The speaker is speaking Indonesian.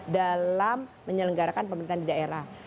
dalam menyelenggarakan pemerintahan di daerah